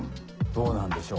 どうなんでしょう。